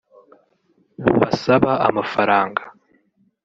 bubasaba amafaranga